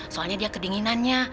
soalnya dia kedinginannya